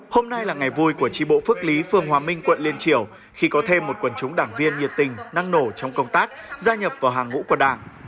hôm nay là ngày vui của trí bộ phước lý phương hòa minh quận liên triều khi có thêm một quần chúng đảng viên nhiệt tình năng nổ trong công tác gia nhập vào hàng ngũ của đảng